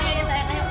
jangan kita bangun